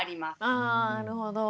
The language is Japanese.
あなるほど。